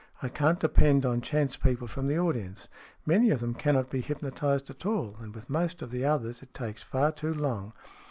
I can't depend on chance people from the audience. Many of them cannot be hypnotized at all, and with most of the others it takes far too long.